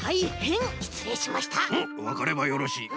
うんわかればよろしい。